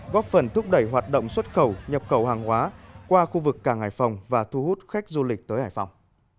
góp phần thúc đẩy hoạt động xuất khẩu nhập khẩu hàng hóa qua khu vực càng hải phòng và thu hút khách du lịch tới hải phòng